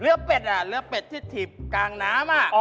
เป็ดอ่ะเนื้อเป็ดที่ถีบกลางน้ำ